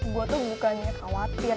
gue tuh bukannya khawatir